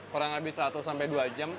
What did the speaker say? kurang lebih satu sampai dua jam